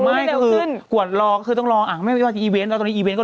ไม่คือกว่ารอคือต้องรออ่ะไม่ว่าอีเว้นแล้วตอนนี้อีเว้นก็